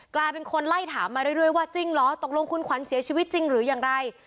กลายเป็นคนไล่ถามมาเรื่อยว่าจริงเหรอตกลงคุณขวัญเสียชีวิตจริงหรืออย่างไร